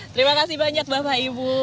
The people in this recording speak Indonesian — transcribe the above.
terima kasih banyak bapak ibu